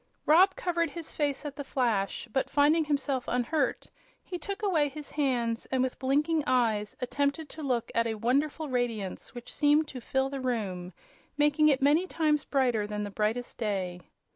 Rob covered his face at the flash, but finding himself unhurt he took away his hands and with blinking eyes attempted to look at a wonderful radiance which seemed to fill the room, making it many times brighter than the brightest day.